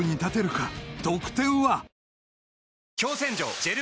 得点は］